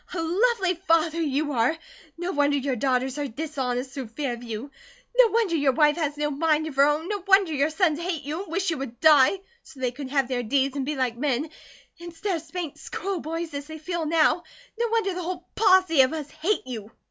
"A lovely father you are no wonder your daughters are dishonest through fear of you no wonder your wife has no mind of her own no wonder your sons hate you and wish you would die so they could have their deeds and be like men instead of 'spanked school boys' as they feel now no wonder the whole posse of us hate you."